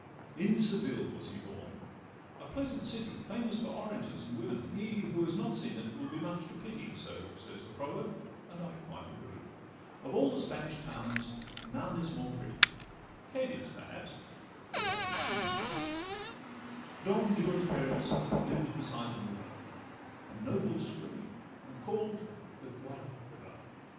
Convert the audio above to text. In Seville was he born, a pleasant city, Famous for oranges and women—he Who has not seen it will be much to pity, So says the proverb—and I quite agree; Of all the Spanish towns is none more pretty, Cadiz perhaps—but that you soon may see; Don Juan's parents lived beside the river, A noble stream, and call'd the Guadalquivir.